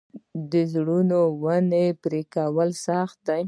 د زړو ونو پرې کول سخت دي؟